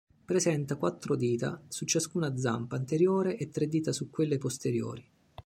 Presenta quattro dita su ciascuna zampa anteriore e tre dita su quelle posteriori.